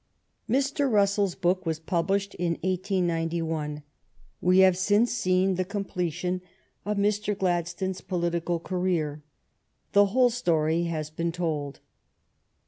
Mr. Russell's book was published in 1 89 1. We have since then seen the completion of Mr. Gladstone's political career. The whole story has been told.